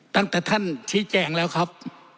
ตั้งแต่ท่านชี้แจงแล้วครับ